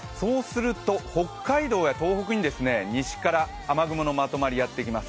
北海道や東北に西から雨雲のまとまりがやってきます。